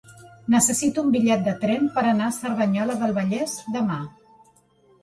Necessito un bitllet de tren per anar a Cerdanyola del Vallès demà.